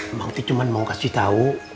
emang teh cuma mau kasih tau